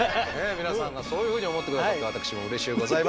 皆さんがそういうふうに思って下さって私もうれしゅうございます。